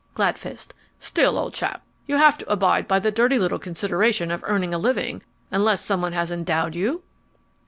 GLADFIST Still, old chap, you have to abide by the dirty little consideration of earning a living, unless someone has endowed you?